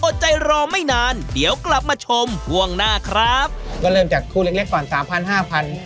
ใจรอไม่นานเดี๋ยวกลับมาชมห่วงหน้าครับก็เริ่มจากคู่เล็กเล็กก่อนสามพันห้าพัน